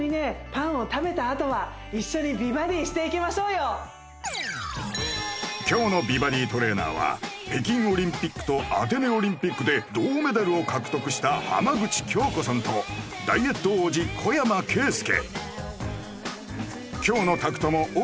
パンを食べたあとは一緒に美バディしていきましょうよ今日の美バディトレーナーは北京オリンピックとアテネオリンピックで銅メダルを獲得した浜口京子さんとダイエット王子小山圭介